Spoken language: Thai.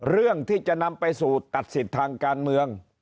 เรื่องที่จะนำไปสู่ตัดสิทธิ์ทางการเมือง